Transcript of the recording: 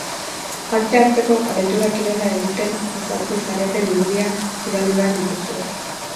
Parte hartzeko, abentura-kirola egiten azaltzen zareten irudiak bidali behar dituzue.